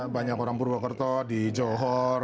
banyak orang purwokerto di johor